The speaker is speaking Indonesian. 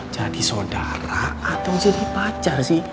jadi sodara atau jadi pacar sih